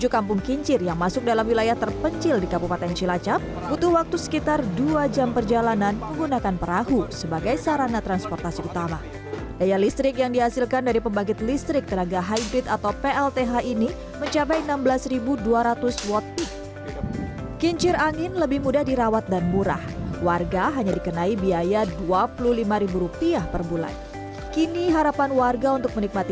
kampung kincir turut mengembangkan perekonomian masyarakat